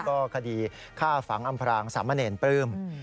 ก็คดีฆ่าฝังอำพรางสามเณรปลื้ม